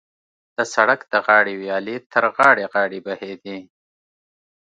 د سړک د غاړې ویالې تر غاړې غاړې بهېدې.